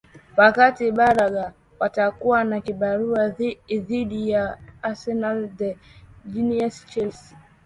wakati braga watakuwa na kibarua dhidi ya arsenal the gunners chelsea